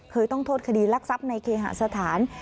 เคยต้องโทษคดีลักษับในเคหสถาน